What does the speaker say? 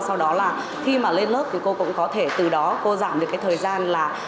sau đó là khi mà lên lớp thì cô cũng có thể từ đó giảm được thời gian